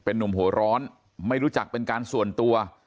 เป็นนมโหร้อนไม่รู้จักเป็นการส่วนตัว